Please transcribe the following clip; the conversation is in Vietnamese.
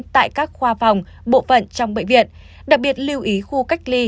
tại các khoa phòng bộ phận trong bệnh viện đặc biệt lưu ý khu cách ly